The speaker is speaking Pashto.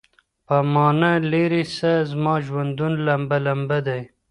له مانه ليري سه زما ژوندون لمبه ،لمبه دی.......